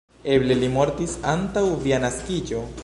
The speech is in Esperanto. Eble li mortis antaŭ via naskiĝo?